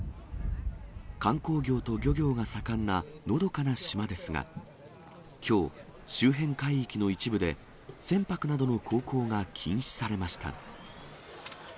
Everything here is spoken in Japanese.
観光業と漁業が盛んなのどかな島ですが、きょう、周辺海域の一部で、船舶などの航行が禁止されました。